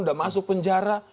sudah masuk penjara